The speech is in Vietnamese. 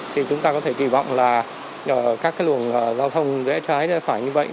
thì chúng ta có thể kỳ vọng là các cái lùn giao thông dẹ trái dẹ phải như vậy